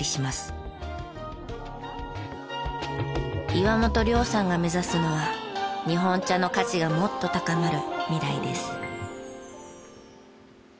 岩本涼さんが目指すのは日本茶の価値がもっと高まる未来です。